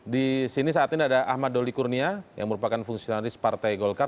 di sini saat ini ada ahmad doli kurnia yang merupakan fungsionalis partai golkar